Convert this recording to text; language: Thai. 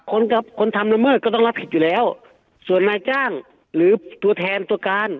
คนทำละเมิดก็ต้องรับผิดอยู่แล้วส่วนนายจ้างหรือตัวแทนตัวการ